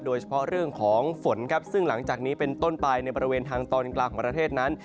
โดยเฉพาะเรื่องของฝนครับซึ่งหลังจากนี้เป็นต้นไปในบริเวณทางตอนกลางของประเทศนั้น